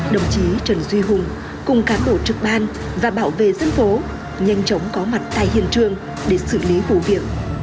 đồng chí trần duy hùng cùng cán bộ trực ban và bảo vệ dân phố nhanh chóng có mặt tại hiện trường để xử lý vụ việc